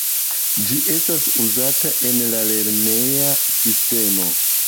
Ĝi estas uzata en la lerneja sistemo.